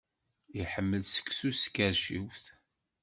Iḥemmel seksu s tkerciwt?